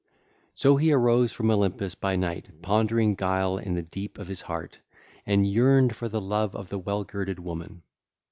So he arose from Olympus by night pondering guile in the deep of his heart, and yearned for the love of the well girded woman.